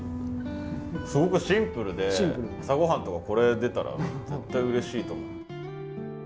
すごくシンプルで朝ごはんとかこれ出たら絶対うれしいと思う。